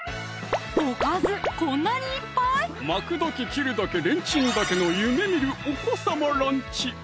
おかずこんなにいっぱい⁉巻くだけ切るだけレンチンだけの「夢みるお子さまランチ」